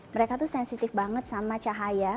mereka tuh sensitif banget sama cahaya